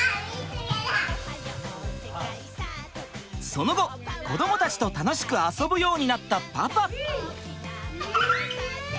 その後子どもたちと楽しく遊ぶようになったパパ。